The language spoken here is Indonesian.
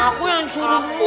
aku yang suruh